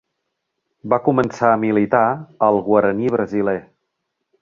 Va començar a militar al Guaraní brasiler.